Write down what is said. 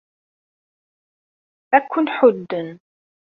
Ad ken-ḥudden.